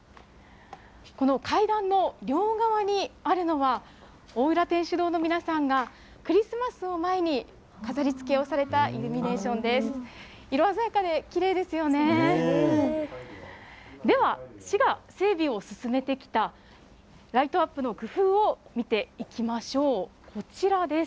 この階段の両側にあるのは、大浦天主堂の皆さんがクリスマスを前に飾りつけをされたイルミネーションです。